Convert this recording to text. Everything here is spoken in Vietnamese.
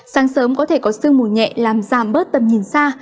sáng sớm có thể có sương mù nhẹ làm giảm bớt tầm nhìn xa